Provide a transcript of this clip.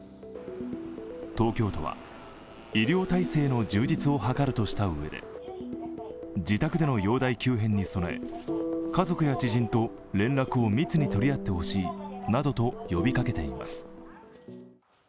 東京都は医療体制の充実を図るとしたうえで自宅での容体急変に備え、家族や知人と連絡を密に取り合ってほしいなどと呼びかけています。